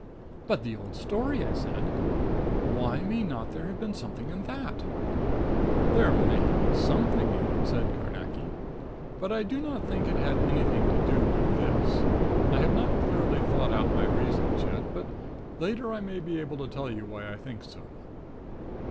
"But the old story!" I said. "Why may not there have been something in that?" "There may have been something in it," said Carnacki. "But I do not think it had anything to do with this. I have not clearly thought out my reasons, yet; but later I may be able to tell you why I think so."